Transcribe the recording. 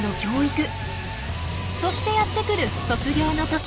そしてやってくる卒業のとき。